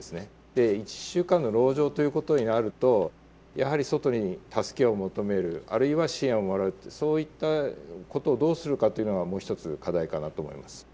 で１週間の籠城ということになるとやはり外に助けを求めるあるいは支援をもらうそういったことをどうするかというのはもう一つ課題かなと思います。